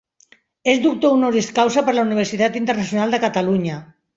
És Doctor Honoris Causa per la Universitat Internacional de Catalunya.